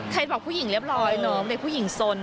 ใครบอกผู้หญิงเรียบร้อยเนอะแต่ผู้หญิงสนนะ